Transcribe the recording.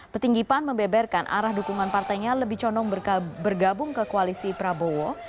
petinggi pan membeberkan arah dukungan partainya lebih conong bergabung ke koalisi prabowo